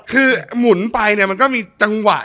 คือหมุนไปเนี่ยมันก็มีจังหวะ